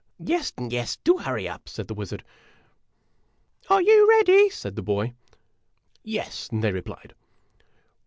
" Yes, yes ; do hurry up !" said the wizard. "Are you ready ?" said the boy. " Yes !" they replied.